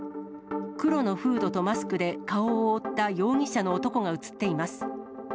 黒のフードとマスクで、顔を覆った容疑者の男が写っています。